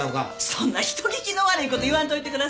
そんな人聞きの悪いこと言わんといてください。